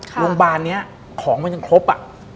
โรงพยาบาลนี้ของมันยังครบ